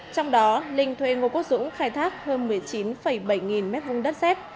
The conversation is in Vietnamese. trong đó linh thuê ngôi quốc dũng khai thác hơn một mươi chín bảy nghìn mét vuông đất xét